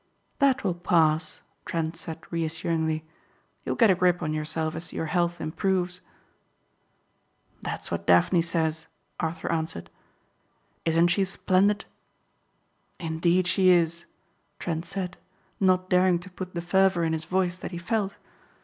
"That will pass," Trent said reassuringly, "you'll get a grip on yourself as your health improves." "That's what Daphne says," Arthur answered, "Isn't she splendid?" "Indeed she is," Trent said not daring to put the fervor in his voice that he felt.